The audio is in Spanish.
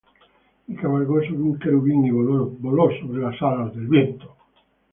Y cabalgó sobre un querubín, y voló: Voló sobre las alas del viento.